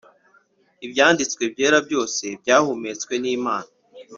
Ibyanditswe byera byose byahumetswe n Imana